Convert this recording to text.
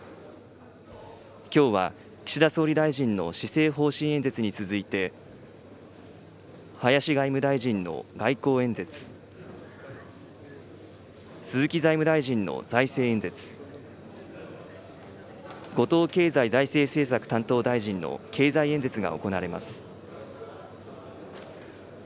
きょうは岸田総理大臣の施政方針演説に続いて、林外務大臣の外交演説、鈴木財務大臣の財政演説、後藤経済財政政策担当大臣の経済演説が行われます。